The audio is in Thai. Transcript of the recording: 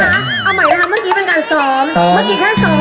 เอาใหม่นะคะเมื่อกี้เป็นการซอม